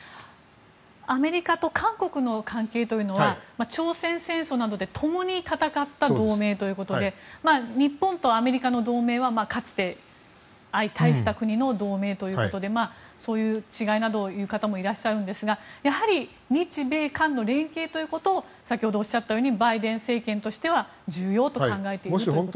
アメリカと韓国の関係というのは朝鮮戦争などで共に戦った同盟ということで日本とアメリカの同盟はかつて相対した国の同盟ということでそういう違いなどを言う方もいらっしゃるんですがやはり日米韓の連携ということを先ほどおっしゃったようにバイデン政権としては重要と考えているということでしょうか。